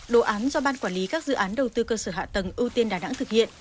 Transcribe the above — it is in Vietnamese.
đồ án do ban quản lý các dự án đầu tư cơ sở hạ tầng ưu tiên đà nẵng thực hiện